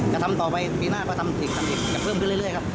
จะทำต่อไปปีหน้าก็ทำอีกอยากเพิ่มที่เรื่อยครับ